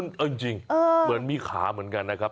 เอาจริงเหมือนมีขาเหมือนกันนะครับ